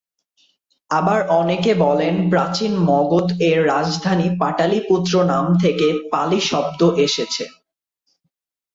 আবার অনেকে বলেন প্রাচীন মগধ এর রাজধানী পাটলিপুত্র নাম থেকে পালি শব্দ এসেছে।